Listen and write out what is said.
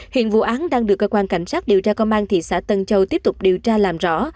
hiện vụ án đang được cơ quan cảnh sát điều tra công an thị xã tân châu tiếp tục điều tra làm rõ